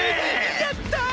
やったァ！！